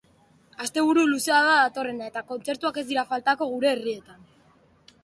Asteburu luzea da datorrena eta kontzertuak ez dira faltako gure herrietan.